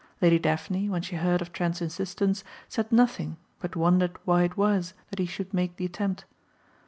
Lady Daphne when she heard of Trent's insistence said nothing but wondered why it was that he should make the attempt.